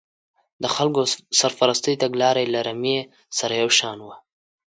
د خلکو سرپرستۍ تګلاره یې له رمې سره یو شان وه.